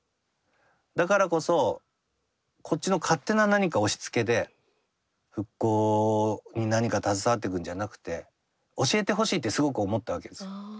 だからこそこっちの勝手な何か押しつけで復興に何か携わってくんじゃなくて教えてほしいってすごく思ったわけですよ。